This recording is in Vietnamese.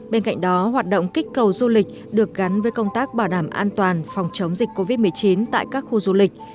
bên cạnh đó hoạt động kích cầu du lịch được gắn với công tác bảo đảm an toàn phòng chống dịch covid một mươi chín tại các khu du lịch